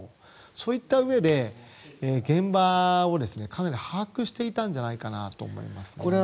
そういったうえで、現場をかなり把握していたと思います。